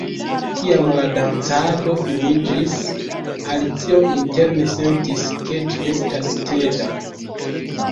Kiam la dancado finiĝis, Alicio interne sentis ke ĝi estas teda.